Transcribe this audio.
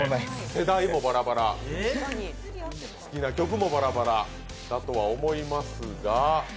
世代もバラバラ、好きな曲もバラバラだと思いますが。